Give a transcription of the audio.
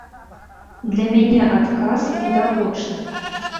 Для мяне адказ відавочны.